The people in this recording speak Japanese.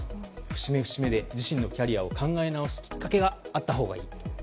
節目節目で自身のキャリアを考え直すきっかけがあったほうが良い。